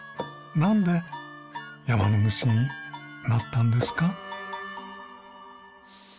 なんで山の主になったんですか？